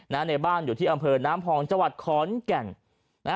ในบ้านอยู่ที่อำเภอน้ำพองจังหวัดขอนแก่นนะฮะ